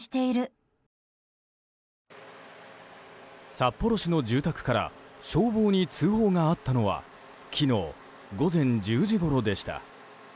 札幌市の住宅から消防に通報があったのは昨日午前１０時ごろでした。